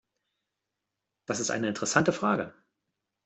Das ist eine interessante Frage.